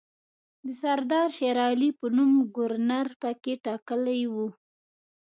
د سردار شېرعلي په نوم ګورنر پکې ټاکلی وو.